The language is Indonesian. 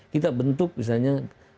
kita bentuk misalnya